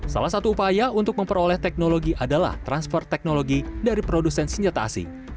salah satu upaya untuk memperoleh teknologi adalah transfer teknologi dari produsen senjata asing